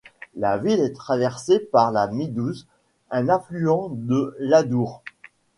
La ville est traversée par la Midouze, un affluent de l'Adour.